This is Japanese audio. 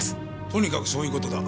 とにかくそういう事だ。